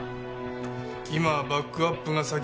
今はバックアップが先！